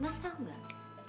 mas tau gak